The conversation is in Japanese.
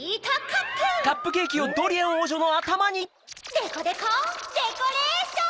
デコデコデコレーション！